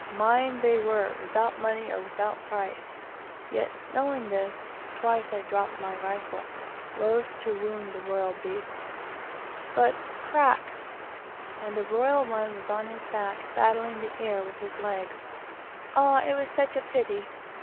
Mine they were without money or without price; yet, knowing this, twice I dropped my rifle, loth to wound the royal beasts, but crack! and a royal one was on his back battling the air with his legs. Ah, it was such a pity!